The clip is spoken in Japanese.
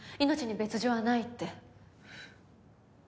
命に別条はないって。